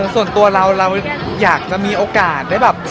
ส่วนตัวเราเราอยากจะมีโอกาส